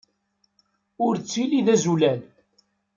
Ur ttili d azulal.